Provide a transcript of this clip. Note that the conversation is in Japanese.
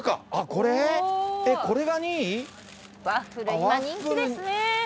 今人気ですね。